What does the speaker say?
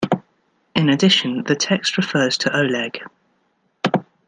In addition, the text refers to Oleg.